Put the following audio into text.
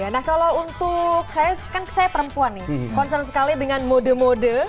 nah kalau untuk kais kan saya perempuan nih concern sekali dengan mode mode